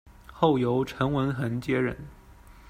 后由陈文衡接任。